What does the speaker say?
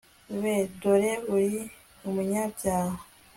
be, dore uri umunyabyaha